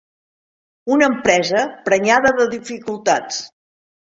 Una empresa prenyada de dificultats.